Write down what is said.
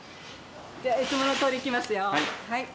じゃあいつものとおりいきますよ。